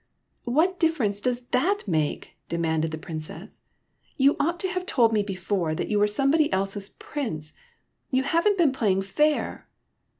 "What difference does that make?" de manded the Princess. "You ought to have told me before, that you were somebody else's Prince. You have n't been playing fair